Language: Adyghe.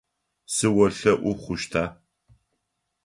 Сыолъэӏу хъущта?